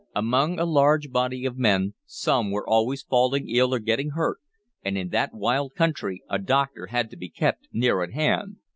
Among a large body of men some were always falling ill or getting hurt, and in that wild country a doctor had to be kept near at hand.